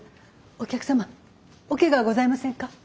お客様おケガはございませんか？